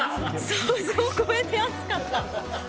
想像を超えて熱かった。